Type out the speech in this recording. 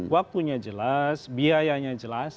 waktunya jelas biayanya jelas